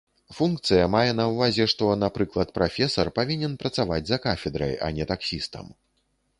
Функцыя мае на ўвазе, што, напрыклад, прафесар павінен працаваць за кафедрай, а не таксістам.